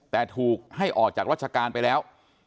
แต่ถูกให้ออกจากราชการไปแล้ว